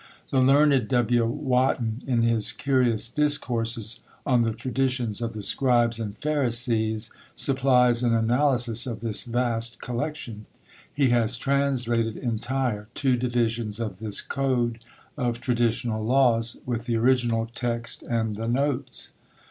The learned W. Wotton, in his curious "Discourses" on the traditions of the Scribes and Pharisees, supplies an analysis of this vast collection; he has translated entire two divisions of this code of traditional laws, with the original text and the notes.